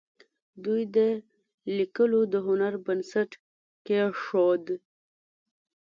دوی د لیکلو د هنر بنسټ کېښود.